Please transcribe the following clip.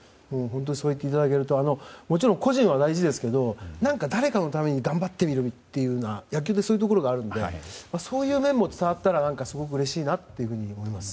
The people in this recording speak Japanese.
そう言っていただけるともちろん個人は大事ですけど誰かのために頑張ってみるというような野球ってそういうところがあるのでそういう面も伝わったらすごくうれしいなと思います。